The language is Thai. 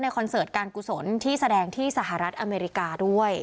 คอนเสิร์ตการกุศลที่แสดงที่สหรัฐอเมริกาด้วย